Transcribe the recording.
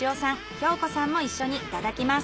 京子さんも一緒にいただきます。